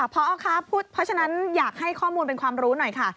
พอครับเพราะฉะนั้นอยากให้ข้อมูลเป็นความรู้หน่อยค่ะ